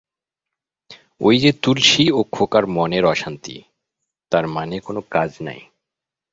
ঐ যে তুলসী ও খোকার মনের অশান্তি, তার মানে কোন কাজ নাই।